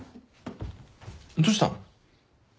どうしたの？